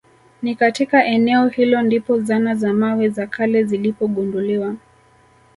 Ni katika eneo hilo ndipo zana za mawe za kale zilipogunduliwa